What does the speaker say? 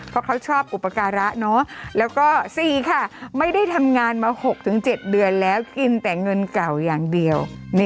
เพราะเขาชอบอุปการะแล้วก็๔ค่ะไม่ได้ทำงานมา๖๗เดือนแล้วกินแต่เงินเก่าอย่างเดียว